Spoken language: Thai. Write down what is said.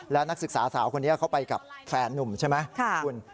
แล้วนักศึกษาสาวคนนี้เขาไปกับแฟนนุ่มใช่ไหมคุณ